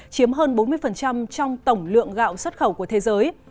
chiếm hơn bốn mươi trong tổng lượng gạo xuất khẩu của thế giới